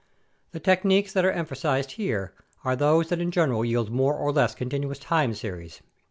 The tech niques that are emphasized here are those that in general yield more or less continuous time series.